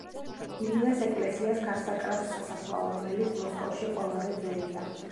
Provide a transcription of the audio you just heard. ილიას ეკლესიას გარს აკრავს სასაფლაო, რომელიც მოსკოვში ყველაზე ძველია.